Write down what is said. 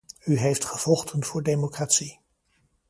U heeft gevochten voor democratie.